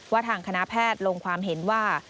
ทางคณะแพทย์ลงความเห็นว่า